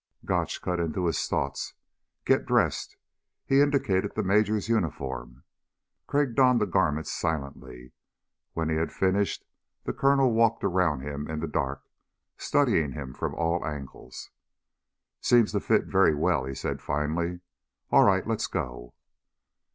Gotch cut into his thoughts. "Get dressed." He indicated the Major's uniform. Crag donned the garments silently. When he had finished the Colonel walked around him in the dark, studying him from all angles. "Seems to fit very well," he said finally. "All right, let's go."